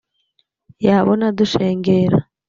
yabona dushengera